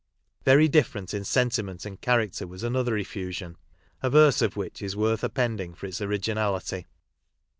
Very different in sentiment and character was another effusion, averse of which is worth appending for its originality.